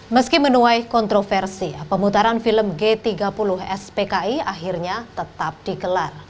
meski menuai kontroversi pemutaran film g tiga puluh spki akhirnya tetap dikelar